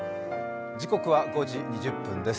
時刻は５時２０分です。